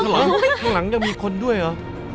เหรอข้างหลังยังมีคนด้วยเหรอ